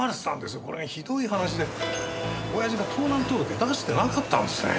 これがひどい話でおやじが盗難届を出してなかったんですね。